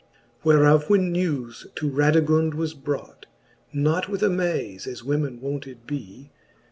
XXV. Whereof when newes to Radigund was brought, Not with amaze, as women wonted bee.